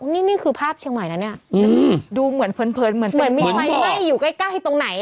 อุ๊ยนี่คือภาพเชียงใหม่นะดูเหมือนเพิ่นเหมือนมีไฟไล่อยู่ใกล้ให้ตรงไหน